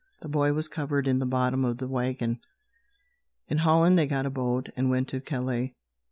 The boy was covered in the bottom of the wagon. In Holland they got a boat and went to Calais.